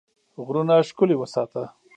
غرونه ښکلي وساته.